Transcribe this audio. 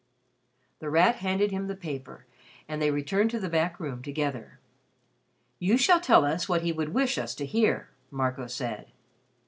The Rat handed him the paper and they returned to the back room together. "You shall tell us what he would wish us to hear," Marco said.